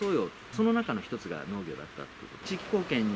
その中の一つが農業だったっていうことで。